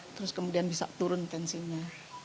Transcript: terus kemudian bisa turun tensinya